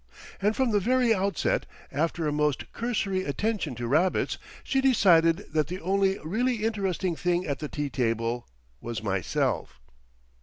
And from the very outset, after a most cursory attention to Rabbits, she decided that the only really interesting thing at the tea table was myself.